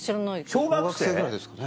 小学生ぐらいですかね？